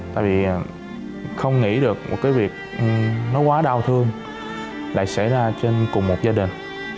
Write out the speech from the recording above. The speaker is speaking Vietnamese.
tại vì không nghĩ được một cái việc nó quá đau thương lại xảy ra trên cùng một gia đình